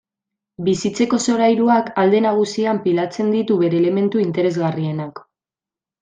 Bizitzeko solairuak alde nagusian pilatzen ditu bere elementu interesgarrienak.